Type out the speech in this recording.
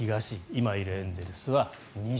今いるエンゼルスは西。